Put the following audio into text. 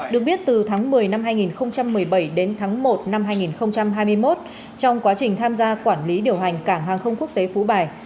được biết từ tháng một mươi năm hai nghìn một mươi bảy đến tháng một năm hai nghìn hai mươi một trong quá trình tham gia quản lý điều hành cảng hàng không quốc tế phú bài